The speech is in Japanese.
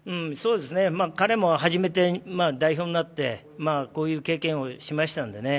彼も初めて代表になってこういう経験をしましたのでね